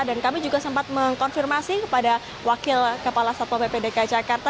dan kami juga sempat mengonfirmasi kepada wakil kepala satwa ppdki jakarta